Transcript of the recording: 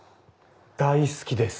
大好きです！